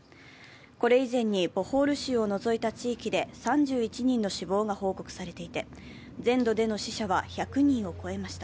これ以前にボホール州を除いた地域で３１人の死亡が報告されていて、全土での死者は１００人を超えました